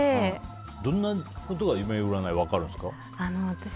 どんなことが夢占いで分かるんですか？